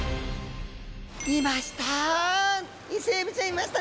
いました。